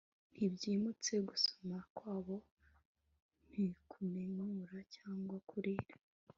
Ntibyimutse gusomana kwabo ntikumwenyura cyangwa kurira